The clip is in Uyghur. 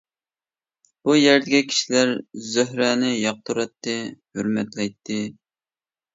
بۇ يەردىكى كىشىلەر زۆھرەنى ياقتۇراتتى، ھۆرمەتلەيتتى.